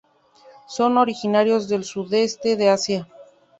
Son originarios del Sudeste de Asia.